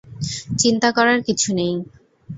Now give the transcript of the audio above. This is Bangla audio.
চিন্তা করার কিছু নেই।